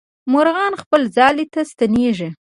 مرغان خپل ځالې ته ستنېږي.